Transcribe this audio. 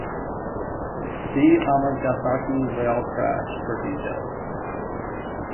See Amagasaki rail crash for details.